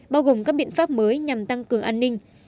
bao gồm các biện pháp mới nhằm tăng cường an ninh